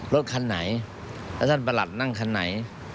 รถคันไหนแล้วท่านประหลัดนั่งคันไหน